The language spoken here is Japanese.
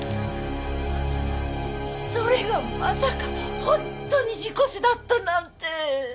それがまさか本当に事故死だったなんて。